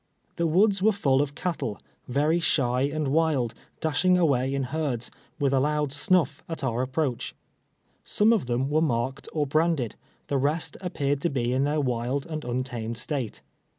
The woods were full of cattle, very shy and wild, dashing away in herds, with a loud snuff, at our approach. Some of them were marked or l)randed, the rest aj^peared to be in their wild and untamed state.